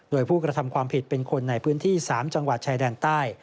โดยผู้กระทำความผิดเป็นคนในพื้นที่๓จังหวัดชายแดนใต้